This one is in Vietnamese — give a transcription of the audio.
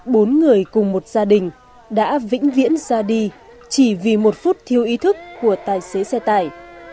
bốn người cùng một gia đình đã vĩnh viễn ra đi chỉ vì một phút thiếu ý thức của tài xế xe tải